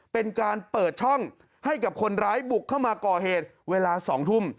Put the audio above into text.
เป็นการเปิดช่องให้กับคนร้ายบุกเข้ามาก่อเหตุเวลา๒ทุ่ม